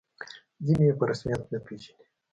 ځینې یې په رسمیت نه پېژني.